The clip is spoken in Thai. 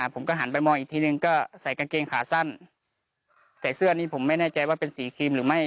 ผมก็หันไปมองอีกทีนึงก็ใส่กางเกงขาสั้นแต่เสื้อนี้ผมไม่แน่ใจว่าเป็นสีครีมหรือไม่